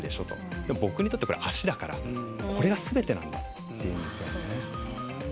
でも僕にとっては足だからこれがすべてなんだと言うんですよ。